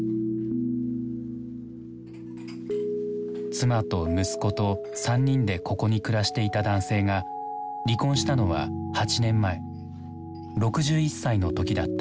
妻と息子と３人でここに暮らしていた男性が離婚したのは８年前６１歳の時だった。